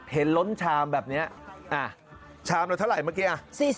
ล้นชามแบบนี้ชามเราเท่าไหรเมื่อกี้